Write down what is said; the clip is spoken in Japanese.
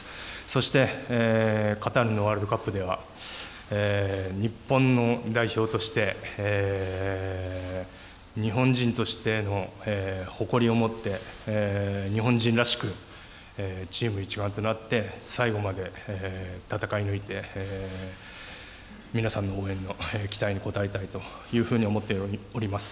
そして、カタールのワールドカップでは、日本の代表として日本人としての誇りを持って、日本人らしく、チーム一丸となって、最後まで戦い抜いて、皆さんの応援、期待に応えたいというふうに思っております。